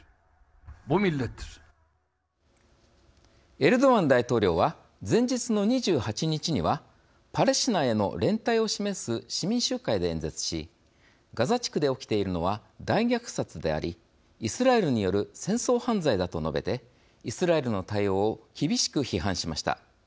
エルドアン大統領は前日の２８日にはパレスチナへの連帯を示す市民集会で演説しガザ地区で起きているのは大虐殺でありイスラエルによる戦争犯罪だと述べてイスラエルの対応を厳しく批判しました。